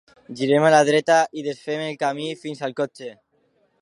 Girem a la dreta i desfem el camí fins al cotxe.